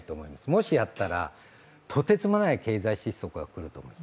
もしやったら、とてつもない経済失速が起こる。